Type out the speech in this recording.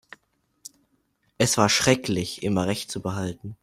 Es war schrecklich, immer Recht zu behalten.